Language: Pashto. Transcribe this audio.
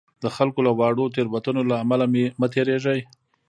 د خلکو له واړو تېروتنو له امله مه تېرېږئ.